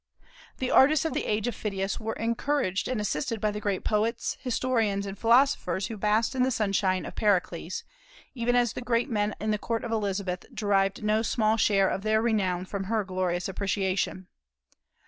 The artists of the age of Phidias were encouraged and assisted by the great poets, historians, and philosophers who basked in the sunshine of Pericles, even as the great men in the Court of Elizabeth derived no small share of their renown from her glorious appreciation.